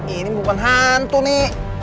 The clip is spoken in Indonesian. ini bukan hantu nih